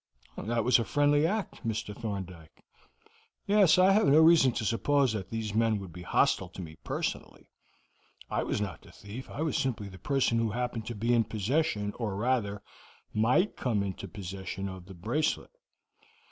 "That was a friendly act, Mr. Thorndyke." "Yes, I have no reason to suppose that these men would be hostile to me personally. I was not the thief, I was simply the person who happened to be in possession, or rather, might come into possession of the bracelet.